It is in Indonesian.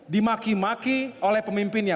dimaki maki oleh pemimpinnya